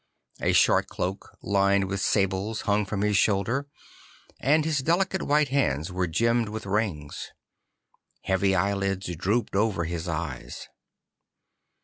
A short cloak lined with sables hang from his shoulder, and his delicate white hands were gemmed with rings. Heavy eyelids drooped over his eyes.